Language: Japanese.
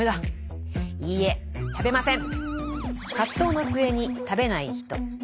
いいえ食べません！